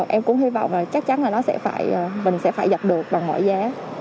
em cũng hy vọng là chắc chắn là nó sẽ phải mình sẽ phải giật được bằng mọi giá